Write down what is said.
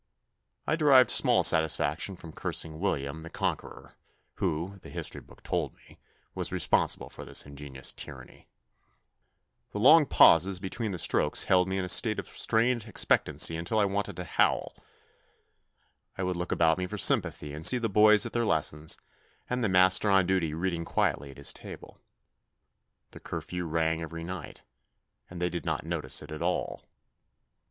I derived small satisfac tion from cursing William the Conqueror, who, the history book told me, was responsible for this ingenious tyranny. The long pauses 62 THE NEW BOY between the strokes held me in a state of strained expectancy until I wanted to howl. I would look about me for sympathy and see the boys at their lessons, and the master on duty reading quietly at his table. The curfew rang every night, and they did not notice it at all.